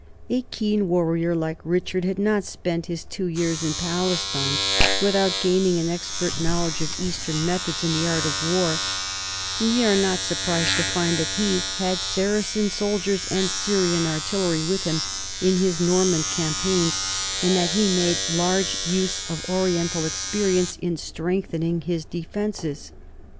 A keen warrior like Richard had not spent his two years in Pal estine without gaining an expert knowledge of eastern methods in the art of war, and we are not surprised to find that he had Saracen soldiers and Syrian artillery men with him in his Norman campaigns, and that he made large use of oriental experience in strengthening his defences.